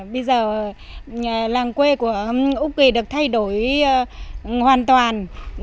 bây giờ làng quê của úc kỳ được thay đổi hoàn toàn